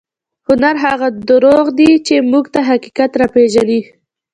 هنر هغه درواغ دي چې موږ ته حقیقت راپېژني.